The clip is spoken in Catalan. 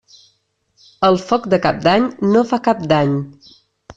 El foc de Cap d'Any no fa cap dany.